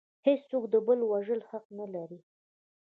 هیڅوک د بل د وژلو حق نلري